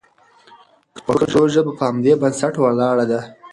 پښتو ژبه په همدې بنسټ ولاړه ده.